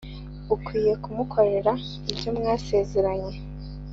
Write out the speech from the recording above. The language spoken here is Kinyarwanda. ukwiriye kumukorera ibyomwasezeranye.